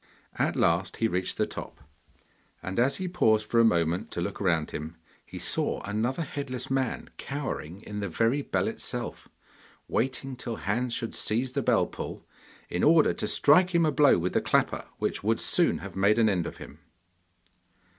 At last he reached the top, and as he paused for a moment to look round him he saw another headless man cowering in the very bell itself, waiting till Hans should seize the bell pull in order to strike him a blow with the clapper, which would soon have made an end of him.